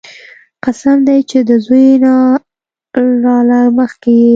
قسم دې چې د زوى نه راله مخكې يې.